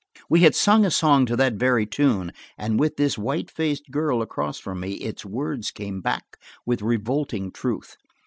We had sung a song to that very tune, and with this white faced girl across from me, its words came hack with revolting truth.